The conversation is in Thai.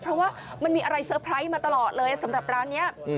เพราะว่ามันมีอะไรเซอร์ไพรส์มาตลอดเลยสำหรับร้านนี้